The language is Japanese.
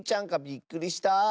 びっくりした。